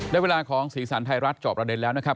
ได้เวลาของสีสันไทยรัฐจอบประเด็นแล้วนะครับ